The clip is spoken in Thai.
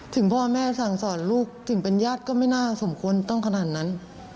ถึงพ่อแม่สั่งสอนลูกถึงเป็นญาติก็ไม่น่าสมควรต้องขนาดนั้น